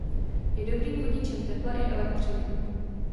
Je dobrým vodičem tepla i elektřiny.